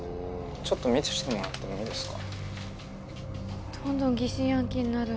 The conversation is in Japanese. ちょっと見せてもらってもいいですか？